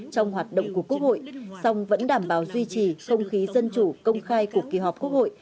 trong hoạt động của quốc hội song vẫn đảm bảo duy trì không khí dân chủ công khai của kỳ họp quốc hội